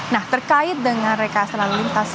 nah terkait dengan rekayasa lalu lintas